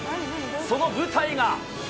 その舞台が。